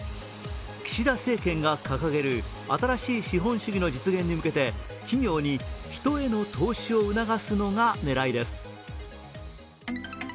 岸田政権が掲げる新しい資本主義の実現に向けて企業に人への投資を促すのが狙いです。